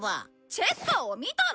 チェッカーを見たろ！